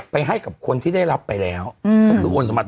ให้กับคนที่ได้รับไปแล้วก็คือโอนสมัค